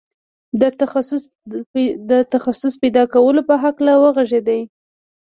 د تخصص پيدا کولو په هکله وغږېد.